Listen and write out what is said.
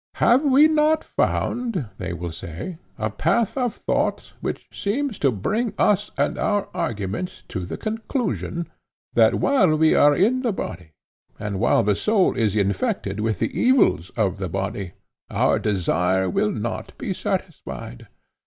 'Have we not found,' they will say, 'a path of thought which seems to bring us and our argument to the conclusion, that while we are in the body, and while the soul is infected with the evils of the body, our desire will not be satisfied?